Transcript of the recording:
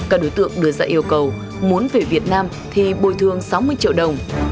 các đối tượng đưa ra yêu cầu muốn về việt nam thì bồi thương sáu mươi triệu đồng